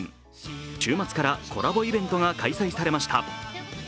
週末からコラボイベントが開催されました。